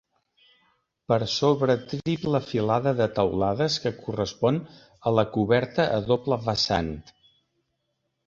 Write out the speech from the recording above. Per sobre triple filada de teulades que correspon a la coberta a doble vessant.